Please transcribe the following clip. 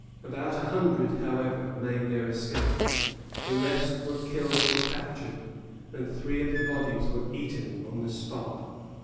About a hundred, however, made their escape. The rest were killed or captured, and three of the bodies were eaten on the spot.